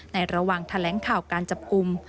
ในระหว่างทะแหลงข่าวการจับคุม